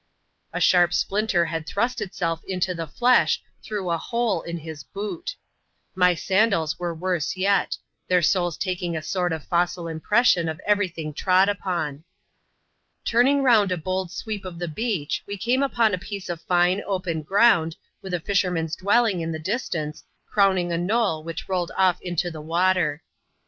A sharp splinter had thrust itself into the flesh, through a hole in his boot. ' My sandals were worse yet; their soles taking a sort of fossil impression of every thing trod upon. Turning round a bold sweep of the beach, we came upon a piece of flne, open ground, with a fisherman's dwelling in the distance, crowning a knoll which rolled off into the water.